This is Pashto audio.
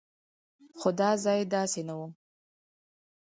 خو دا ځای داسې نه و.